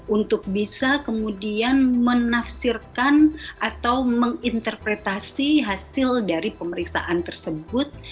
untuk bisa kemudian menafsirkan atau menginterpretasi hasil dari pemeriksaan tersebut